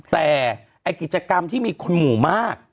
แต่กฤจกรรมที่มีคนหมู่มาก